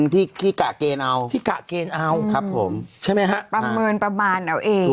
ที่กะเกณฑ์เอาครับผมประเมินประบานเอาเองใช่ไหมฮะ